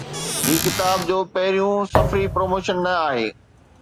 هي ڪتاب جو پهريون سفري پروموشن نه آهي